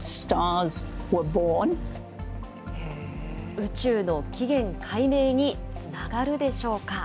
宇宙の起源解明につながるでしょうか。